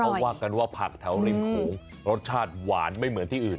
เขาว่ากันว่าผักแถวริมโขงรสชาติหวานไม่เหมือนที่อื่น